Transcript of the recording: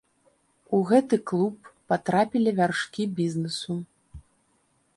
У гэты клуб патрапілі вяршкі бізнесу.